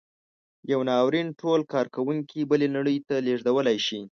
یو ناورین ټول کارکوونکي بلې نړۍ ته لېږدولی شي.